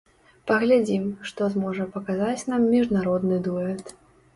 Паглядзім, што зможа паказаць нам міжнародны дуэт.